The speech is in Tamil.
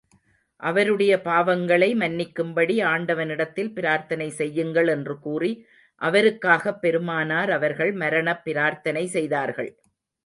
அவருடைய பாவங்களை மன்னிக்கும்படி ஆண்டவனிடத்தில் பிரார்த்தனை செய்யுங்கள் என்று கூறி, அவருக்காகப் பெருமானார் அவர்கள் மரணப் பிரார்த்தனை செய்தார்கள்.